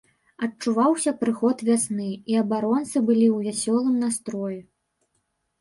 Адчуваўся прыход вясны, і абаронцы былі ў вясёлым настроі.